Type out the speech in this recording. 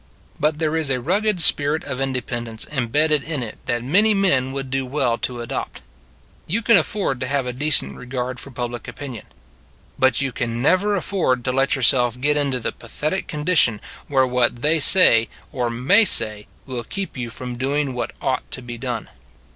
But there is a rugged spirit of inde pendence embedded in it that many men would do well to adopt. You can afford to have a decent regard for public opinion : but you can never afford to let yourself get into the pathetic condi tion where what they say or may say will keep you from doing what ought to be done.